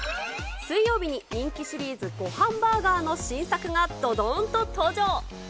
水曜日に人気シリーズ、ごはんバーガーの新作がどどんと登場。